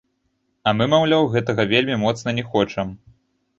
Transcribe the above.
А мы, маўляў, гэтага вельмі моцна не хочам.